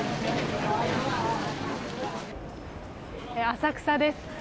浅草です。